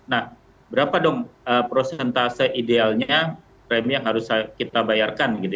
nah berapa dong prosentase idealnya premi yang harus kita bayarkan